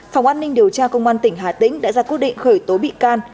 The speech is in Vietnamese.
phòng an ninh điều tra công an tỉnh hà tĩnh đã ra quyết định khởi tố bị can